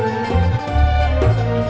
hanya anda yang kepaftar